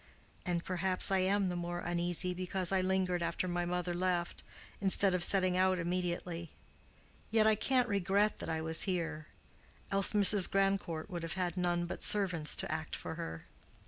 And perhaps I am the more uneasy, because I lingered after my mother left, instead of setting out immediately. Yet I can't regret that I was here—else Mrs. Grandcourt would have had none but servants to act for her."